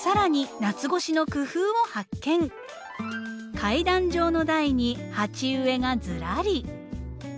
階段状の台に鉢植えがずらり。